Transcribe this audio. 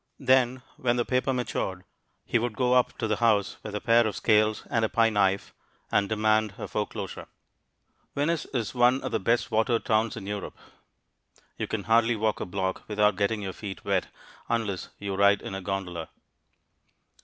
Then, when the paper matured, he would go up to the house with a pair of scales and a pie knife and demand a foreclosure. Venice is one of the best watered towns in Europe. You can hardly walk a block without getting your feet wet, unless you ride in a gondola.